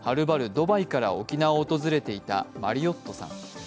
ドバイから沖縄を訪れていたマリオットさん。